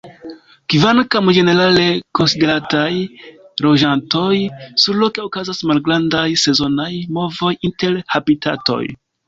Kvankam ĝenerale konsiderataj loĝantoj, surloke okazas malgrandaj sezonaj movoj inter habitatoj.